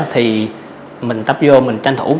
thì mình tập vô mình tranh thủ